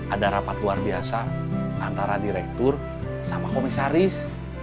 ada rapat luar biasa antara direktur sama komisaris